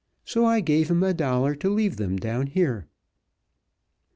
So I gave him a dollar to leave them down here."